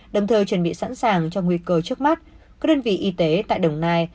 đồng thời chuẩn bị sẵn sàng cho nguy cơ trước mắt các đơn vị y tế tại đồng nai